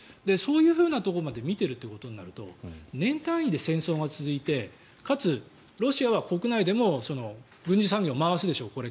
そういうところまで見ているとなると年単位で戦争が続いてかつ、ロシアは国内でも軍事産業を回すでしょう。